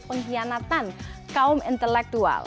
pengkhianatan kaum intelektual